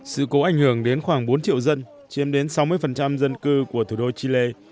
sự cố ảnh hưởng đến khoảng bốn triệu dân chiếm đến sáu mươi dân cư của thủ đô chile